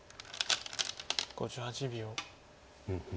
５８秒。